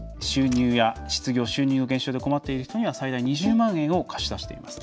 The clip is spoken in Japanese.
失業や収入の減少で困っている人には最大２０万円を貸し出しています。